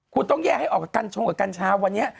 คุณต้องแยกให้ออกกับกัญชงกับกัญชาวันนี้